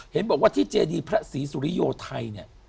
เห็นบอกว่าที่เจดีพระศรีสุริโยไทยเนี่ย